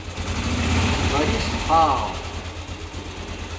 برس خآ